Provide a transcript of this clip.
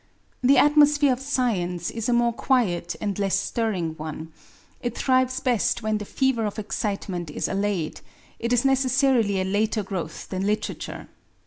The atmosphere of science is a more quiet and less stirring one; it thrives best when the fever of excitement is allayed; it is necessarily a later growth than literature.